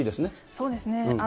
そうですね。